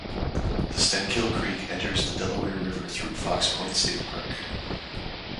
Then Stenkil Creek enters the Delaware River through Fox Point State Park.